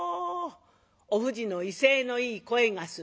おふじの威勢のいい声がする。